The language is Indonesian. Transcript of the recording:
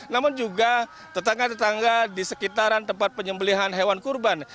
namun juga tetangga tetangga di sekitaran tempat penyembelihan hewan kurban